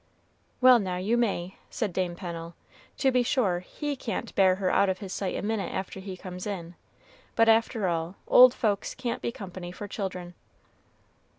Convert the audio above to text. "Well, now, you may," said Dame Pennel; "to be sure he can't bear her out of his sight a minute after he comes in; but after all, old folks can't be company for children."